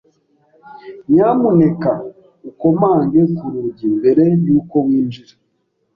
Nyamuneka ukomange ku rugi mbere yuko winjira.